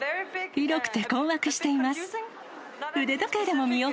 広くて困惑しています。